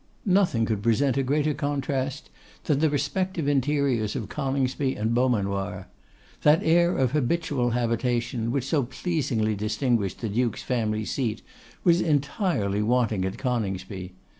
Nothing could present a greater contrast than the respective interiors of Coningsby and Beaumanoir. That air of habitual habitation, which so pleasingly distinguished the Duke's family seat, was entirely wanting at Coningsby.